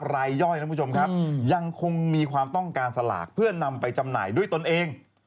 รายย่อยยังคงมีความต้องการสลากเพื่อนำไปจำหน่ายด้วยตนเอง